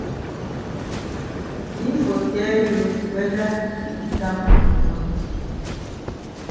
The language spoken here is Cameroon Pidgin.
Yi for tell you whether yi di kam o not.